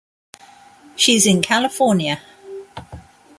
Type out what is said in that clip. She's in California.